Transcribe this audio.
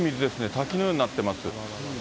滝のようになっています。